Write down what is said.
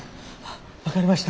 分かりました。